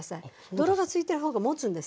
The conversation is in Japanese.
泥がついてる方がもつんです。